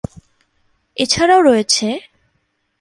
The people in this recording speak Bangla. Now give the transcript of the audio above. এছাড়াও রয়েছে-